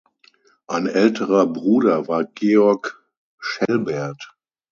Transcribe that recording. Ein älterer Bruder war Georg Schelbert.